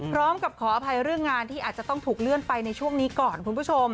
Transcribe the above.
ขออภัยเรื่องงานที่อาจจะต้องถูกเลื่อนไปในช่วงนี้ก่อนคุณผู้ชม